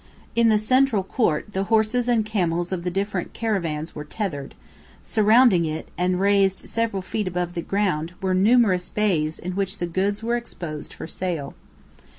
In the central court the horses and camels of the different caravans were tethered; surrounding it, and raised several feet above the ground, were numerous bays in which the goods were exposed for sale.